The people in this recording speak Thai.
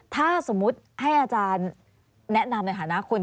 ถ้าสมมุติให้อาจารย์แนะนำในฐานะคุณ